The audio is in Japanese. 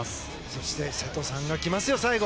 そして瀬戸さんが来ますよ、最後。